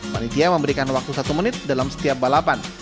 panitia memberikan waktu satu menit dalam setiap balapan